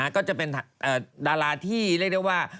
ก็จะเป็นดาราที่เรียกได้ว่า